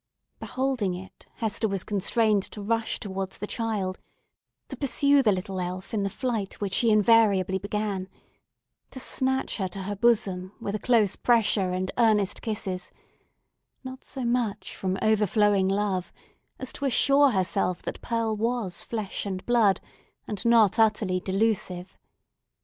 Beholding it, Hester was constrained to rush towards the child—to pursue the little elf in the flight which she invariably began—to snatch her to her bosom with a close pressure and earnest kisses—not so much from overflowing love as to assure herself that Pearl was flesh and blood, and not utterly delusive.